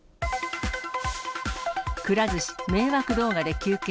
くら寿司、迷惑動画で求刑。